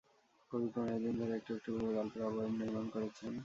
কবি পনেরো দিন ধরে একটু একটু ভেবে গল্পের অবয়ব নির্মাণ করেছেন।